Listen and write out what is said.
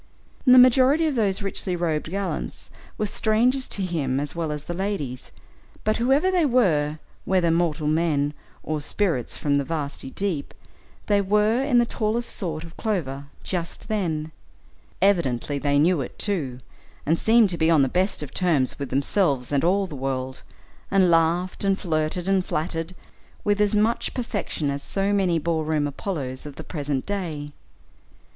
The majority of those richly robed gallants were strangers to him as well as the ladies, but whoever they were, whether mortal men or "spirits from the vasty deep," they were in the tallest sort of clover just then. Evidently they knew it, too, and seemed to be on the best of terms with themselves and all the world, and laughed, and flirted, and flattered, with as much perfection as so many ball room Apollos of the present day.